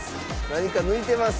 何か抜いてます。